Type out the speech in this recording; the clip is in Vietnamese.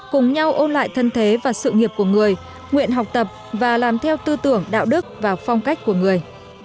cùng nhau ôn lại thân thế và sự nghiệp của người nguyện học tập và làm theo tư tưởng đạo đức và phong cách của người